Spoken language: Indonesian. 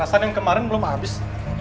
rasanya yang kemarin belum habis